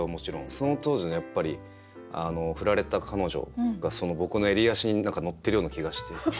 その当時の振られた彼女が僕の襟足に何か乗ってるような気がして。